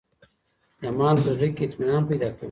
ایمان په زړه کي اطمینان پیدا کوي.